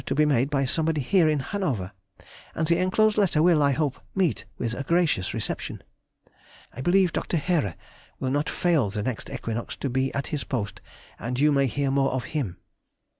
to be made by somebody here in Hanover, and the enclosed letter will, I hope, meet with a gracious reception.... I believe Dr. Heere will not fail the next equinox to be at his post, and you may hear more of him.